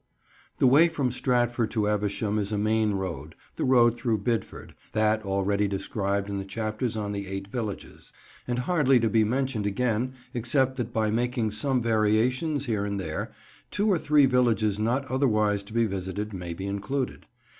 THE way from Stratford to Evesham is a main road, the road through Bidford, that already described in the chapters on the "Eight Villages," and hardly to be mentioned again except that by making some variations here and there, two or three villages not otherwise to be visited may be included.